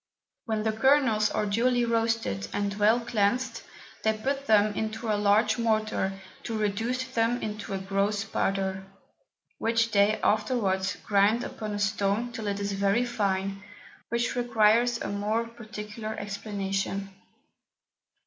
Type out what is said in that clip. When the Kernels are duly roasted, and well cleansed, they put them into a large Mortar to reduce them into a gross Powder, which they afterwards grind upon a Stone till it is very fine, which requires a more particular Explication.